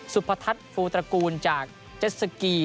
สุพทัศน์ฟูตระกูลจากเจ็ดสกี